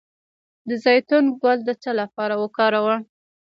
د زیتون ګل د څه لپاره وکاروم؟